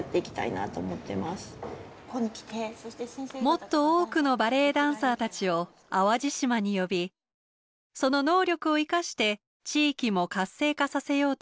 もっと多くのバレエダンサーたちを淡路島に呼びその能力を生かして地域も活性化させようというものです。